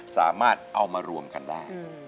สามารถเอามารวมกันได้